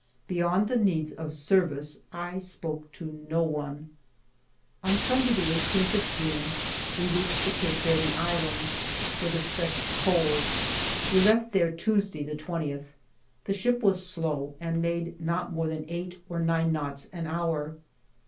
Beyond the needs of service 1 spoke to no one. On Sunday, the i8th of June, we reached the Cape Verde Islands, where the Sfax coaled ; we left there Tuesday, the 20th. The ship was slow and made not more than eight or nine knots an hour.